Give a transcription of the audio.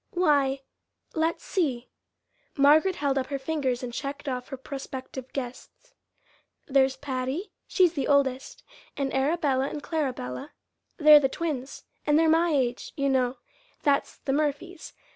"Why, let's see." Margaret held up her fingers and checked off her prospective guests. "There's Patty, she's the oldest, and Arabella and Clarabella they're the twins an' they're my age, you know that's the Murphys.